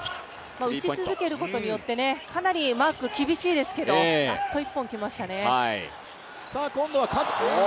打ち続けることによって、かなりマーク、厳しいですけど、やっと１本、来ましたね。